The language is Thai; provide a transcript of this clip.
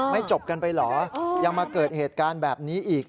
จบกันไปเหรอยังมาเกิดเหตุการณ์แบบนี้อีก